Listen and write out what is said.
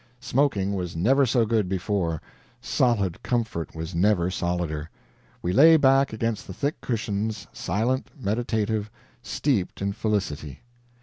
Smoking was never so good before, solid comfort was never solider; we lay back against the thick cushions silent, meditative, steeped in felicity.